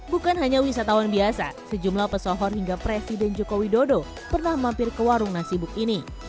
bukan hanya wisatawan biasa sejumlah pesohor hingga presiden joko widodo pernah mampir ke warung nasi buk ini